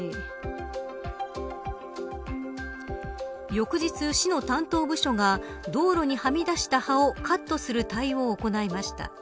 翌日、市の担当部署が道路にはみ出した葉をカットする対応を行いました。